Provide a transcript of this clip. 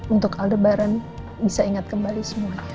untuk aldebaran bisa ingat kembali semuanya